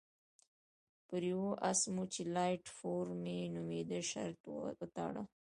پر یوه اس مو چې لایټ فور مي نومېده شرط وتاړه.